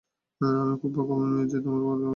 আমি খুব ভাগ্যবান মেয়ে যে তোমাদের মতো বাবা-মা পেয়েছি।